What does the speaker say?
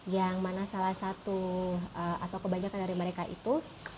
yang mana salah satu atau kebanyakan dari mereka itu